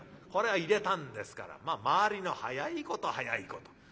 これを入れたんですから回りの早いこと早いこと。